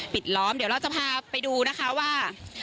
ล้อมเดี๋ยวเราจะพาไปดูนะคะว่า